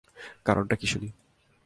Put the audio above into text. কারণটা কী শুনি।